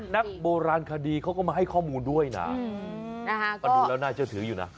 นักโบราณคดีเขาก็มาให้ข้อมูลด้วยนะก็ดูแล้วน่าเชื่อถืออยู่นะ